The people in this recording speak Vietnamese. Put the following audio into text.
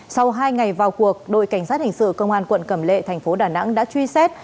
sau hai ngày vào cuộc đội cảnh sát hình sự công an quận cẩm lệ thành phố đà nẵng đã truy xét